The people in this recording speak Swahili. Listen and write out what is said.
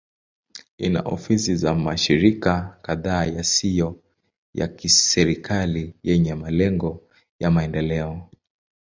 Ina ofisi za mashirika kadhaa yasiyo ya kiserikali yenye malengo ya maendeleo.